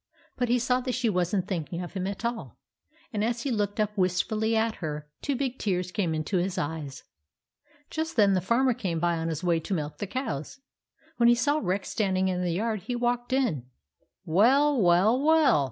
But he saw that she was n't thinking of him at all ; and as he looked up wistfully at her, two big tears came into his eyes. Just then the Farmer came by on his way to milk the cows. When he saw Rex stand ing in the yard he walked in. "Well, well, well!"